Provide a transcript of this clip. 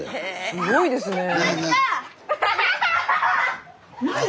すごいですねえ。